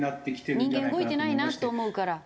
人間動いてないなと思うから。